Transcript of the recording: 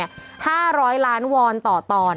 แต่อย่ามาจัดงานพร้อมกันกันแล้วกันเพราะว่างั้นมาร์คเขาว่างั้น